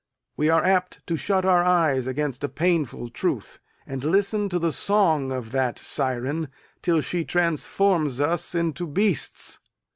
We are apt to shut our eyes against a painful truth, and listen to the song of that siren till she transforms us into beasts.